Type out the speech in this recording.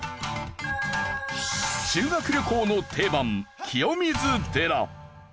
修学旅行の定番清水寺。